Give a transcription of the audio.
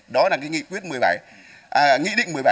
đó là cái nghị quyết một mươi bảy nghị định một mươi bảy